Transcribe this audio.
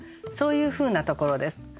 そういうふうなところです。